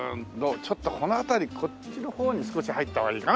ちょっとこの辺りこっちの方に少し入った方がいいかな。